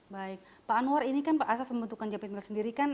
baik pak anwar ini kan pak asas membentukkan jump it mill sendiri kan